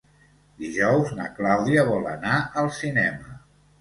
Dijous na Clàudia vol anar al cinema.